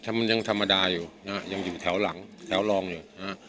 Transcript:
มันยังธรรมดาอยู่นะฮะยังอยู่แถวหลังแถวรองอยู่นะฮะ